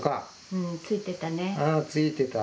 うん、ついてた。